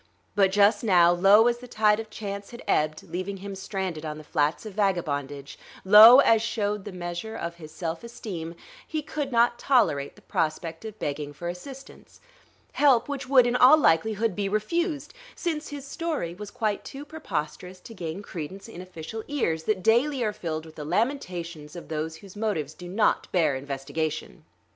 But just now, low as the tide of chance had ebbed, leaving him stranded on the flats of vagabondage, low as showed the measure of his self esteem, he could not tolerate the prospect of begging for assistance help which would in all likelihood be refused, since his story was quite too preposterous to gain credence in official ears that daily are filled with the lamentations of those whose motives do not bear investigation.